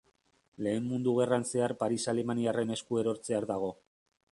Lehen Mundu Gerran zehar Paris alemaniarren esku erortzear dago.